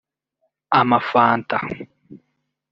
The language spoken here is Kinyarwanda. amafanta